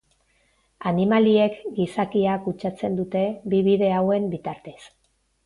Animaliek gizakia kutsatzen dute bi bide hauen bitartez.